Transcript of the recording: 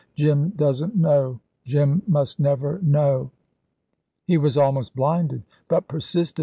"Jim doesn't know; Jim must never know." He was almost blinded, but persisted.